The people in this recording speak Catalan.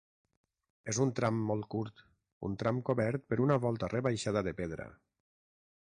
És un tram molt curt, un tram cobert per una volta rebaixada de pedra.